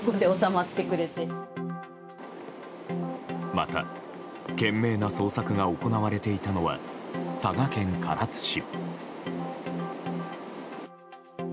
また、懸命な捜索が行われていたのは佐賀県唐津市。